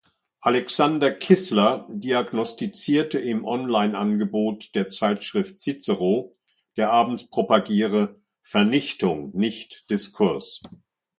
Alexander Kissler diagnostizierte im Onlineangebot der Zeitschrift Cicero, der Abend propagiere „Vernichtung, nicht Diskurs“.